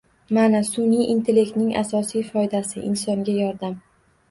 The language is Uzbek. Mana, sunʼiy intellektning asosiy foydasi. Insonga yordam.